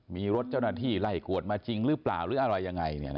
มีรถเจ้าหน้าที่ไล่กวดมาจริงหรือเปล่าหรืออะไรยังไง